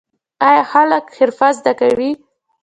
آیا خلک حرفه زده کوي؟